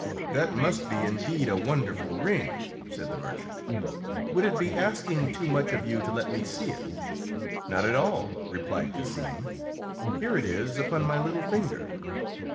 "That must be indeed a wonderful ring," said the merchant. "Would it be asking too much of you to let me see it?" "Not at all," replied Cassim. "Here it is upon my little finger."